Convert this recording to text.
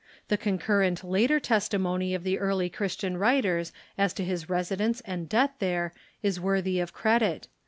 The concurrent later testi mony of the early Christian writers as to his residence and death there is Avorthy of credit.